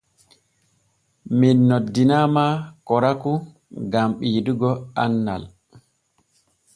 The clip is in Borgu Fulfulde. Men noddinaama korakou gan ɓeedugo annal.